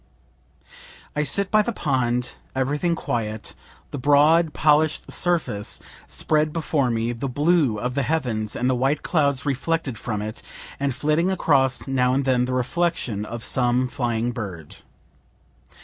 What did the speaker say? _ I sit by the pond, everything quiet, the broad polish'd surface spread before me the blue of the heavens and the white clouds reflected from it and flitting across, now and then, the reflection of some flying bird.